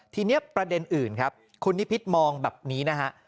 ทีนี้ประเด็นอื่นครับคุณนิพิษมองแบบนี้นะฮะ